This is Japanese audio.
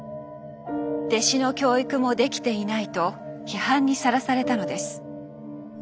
「弟子の教育もできていない」と批判にさらされたのです。